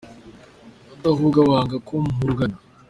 Udahuga wanga ko mpugana.